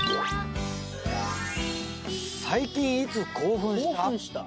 「最近いつ興奮した？」